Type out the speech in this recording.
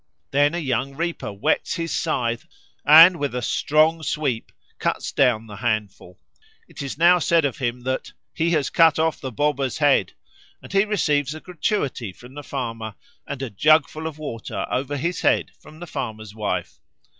Then a young reaper whets his scythe and, with a strong sweep, cuts down the handful. It is now said of him that "he has cut off the Boba's head"; and he receives a gratuity from the farmer and a jugful of water over his head from the farmer's wife.